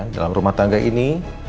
dalam rumah tangga ini